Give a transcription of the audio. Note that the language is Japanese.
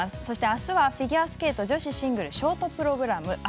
そして、あすはフィギュアスケート女子ショートプログラム。